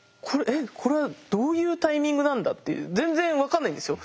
えっこれはどういうタイミングなんだっていう全然分かんないんですよ。